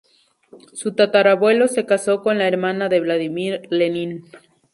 Su tatara-abuelo se casó con la hermana de Vladimir Lenin.